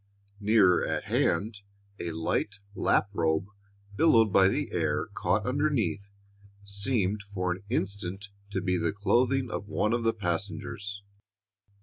Nearer at hand, a light lap robe, billowed by the air caught underneath, seemed for an instant to be the clothing of one of the passengers.